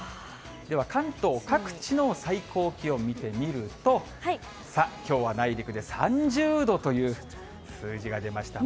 では関東各地の最高気温見てみると、さあ、きょうは内陸で３０度という数字が出ました。